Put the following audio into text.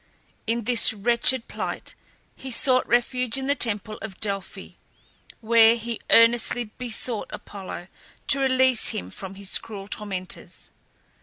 In this wretched plight he sought refuge in the temple of Delphi, where he earnestly besought Apollo to release him from his cruel tormentors.